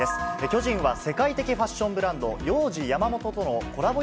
巨人は世界的ファッションブランド、ヨウジヤマモトとのコラボ